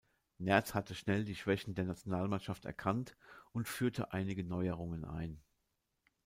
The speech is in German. Nerz hatte schnell die Schwächen der Nationalmannschaft erkannt und führte einige Neuerungen ein.